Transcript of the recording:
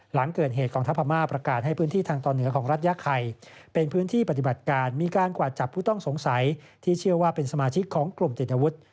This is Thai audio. หลังเกิดเหตุกองทัพพม่าประกาศให้พื้นที่ทางตอนเหนือของรัฐยาไข่เป็นพื้นที่ปฏิบัติการมีการกวาดจับผู้ต้องสงสัยที่เชื่อว่าเป็นสมาชิกของกลุ่มติดอาวุธ